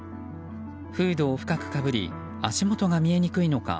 フードを深くかぶり足元が見えにくいのか